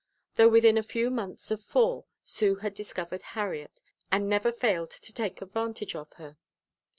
Though within a few months of four, Sue had discovered Harriet, and never failed to take advantage of her.